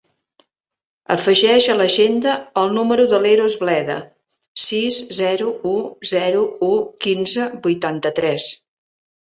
Afegeix a l'agenda el número de l'Eros Bleda: sis, zero, u, zero, u, quinze, vuitanta-tres.